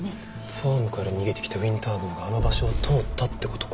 ファームから逃げてきたウィンター号があの場所を通ったって事か。